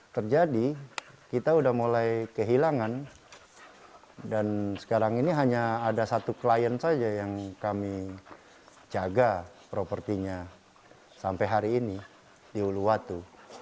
terjadi kita sudah mulai kehilangan dan sekarang ini hanya ada satu klien saja yang kami jaga propertinya sampai hari ini di uluwatu